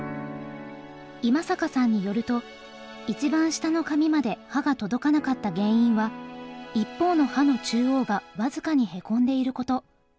今坂さんによると一番下の紙まで刃が届かなかった原因は一方の刃の中央が僅かにへこんでいること。